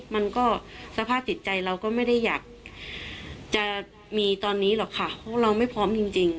มันก็สภาพจิตใจเราก็ไม่ได้อยากจะมีตอนนี้หรอกค่ะเพราะเราไม่พร้อมจริง